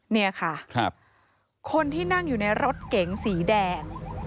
นี่ค่ะคนที่นั่งอยู่ในรถเก๋งสีแดง